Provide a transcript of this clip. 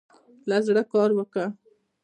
له زړۀ کار وکړه.